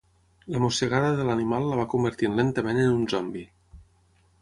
La mossegada de l'animal la va convertint lentament en un zombi.